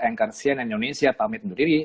engkansian indonesia pamit sendiri